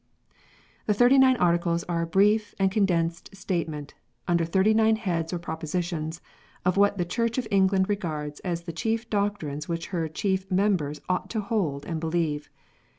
The Thirty nine Articles are a brief and condensed statement, under thirty nine heads or propositions, of what the Church of England regards as the chief doctrines which her chief members ought to hold and believe.